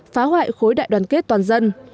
phá hoại khối đại đoàn kết toàn dân